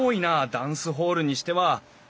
ダンスホールにしては。